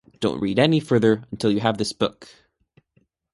Don't read any further until you have this book!